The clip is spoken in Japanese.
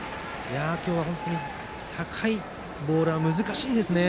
今日は本当に高いボールは難しいんですね。